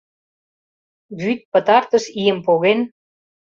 Вӱд, пытартыш ийым поген